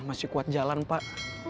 masih kuat jalan pak